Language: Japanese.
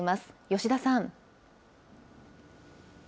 吉田さん。